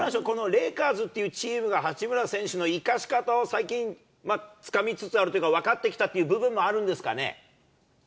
レイカーズというチームが八村選手の生かし方を最近、つかみつつあるというか、分かってきた部分もあるんですかね。